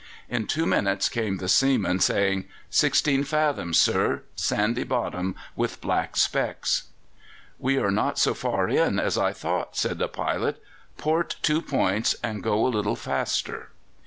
In two minutes came the seaman, saying: "Sixteen fathoms, sir. Sandy bottom, with black specks." "We are not so far in as I thought," said the pilot. "Port two points and go a little faster."